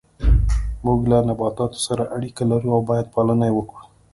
موږ له نباتاتو سره اړیکه لرو او باید پالنه یې وکړو